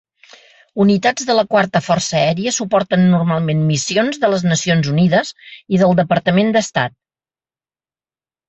Unitats de la Quarta Força Aèria suporten normalment missions de les Nacions Unides i del Departament d'Estat.